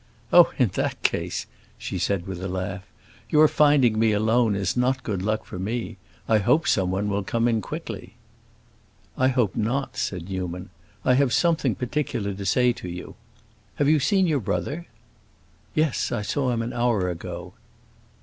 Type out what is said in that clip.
"Oh, in that case," she said with a laugh, "your finding me alone is not good luck for me. I hope someone will come in quickly." "I hope not," said Newman. "I have something particular to say to you. Have you seen your brother?" "Yes, I saw him an hour ago."